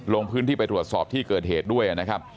ลงพื้นที่ไปตรวจสอบที่เกิดเหตุด้วยนะครับ